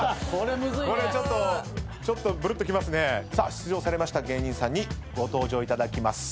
出場されました芸人さんにご登場いただきます。